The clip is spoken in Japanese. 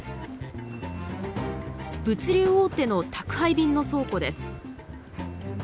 物流大手の宅配便の倉庫です。